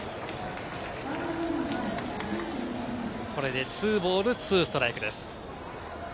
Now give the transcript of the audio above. これで２ボール２ストライクです。